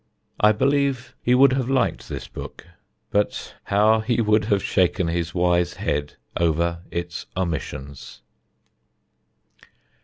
I believe he would have liked this book; but how he would have shaken his wise head over its omissions!